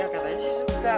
ya katanya sih suka